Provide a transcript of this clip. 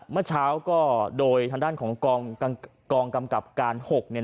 เมื่อเช้าก็โดยทางด้านของกองกำกับการ๖เนี่ย